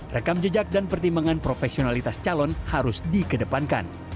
rekam jejak dan pertimbangan profesionalitas calon harus dikedepankan